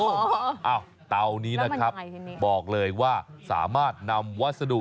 เอ้าเตานี้นะครับบอกเลยว่าสามารถนำวัสดุ